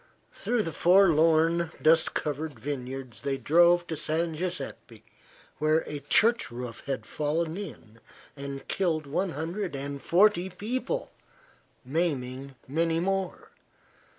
Through the forlorn, dust covered vineyards they drove to San Guiseppe, where a church roof had fallen in and killed one hundred and forty people, maiming many more.